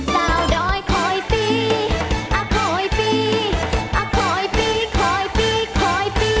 สาวดอยคอยปีอคอยปีอักคอยปีคอยปีคอยปี